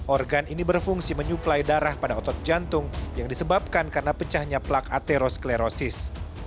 organ ini berfungsi menyuplai darah pada otot jantung yang disebabkan karena pecahnya plak atherosklerosis